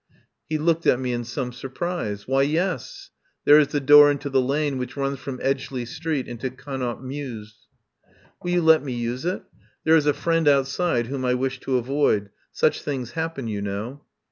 He looked at me in some surprise. "Why, yes; there is the door into the lane which runs from Edgeley Street into Connaught Mews." "Will you let me use it? There is a friend outside whom I wish to avoid. Such things happen, you know."